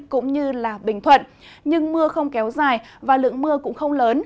cũng như bình thuận nhưng mưa không kéo dài và lượng mưa cũng không lớn